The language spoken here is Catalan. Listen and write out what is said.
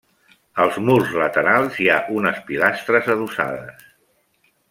Als murs laterals hi ha unes pilastres adossades.